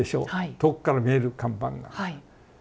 遠くから見える看板が。